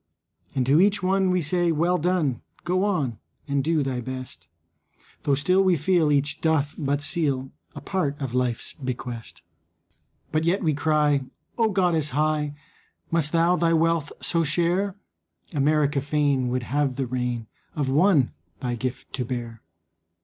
And to each one we say, "Well done, Go on and do thy best." Though still we feel each doth but seal A part of life's bequest. But yet we cry, "O goddess high, Must thou thy wealth so share? America feign would have the reign Of one thy gift to bear.